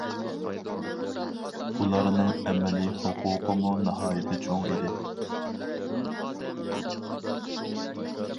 ئۇلارنىڭ ئەمەلىي ھوقۇقىمۇ ناھايىتى چوڭ ئىدى.